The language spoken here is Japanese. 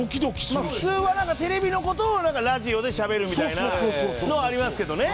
普通はなんかテレビの事をラジオでしゃべるみたいなのはありますけどね。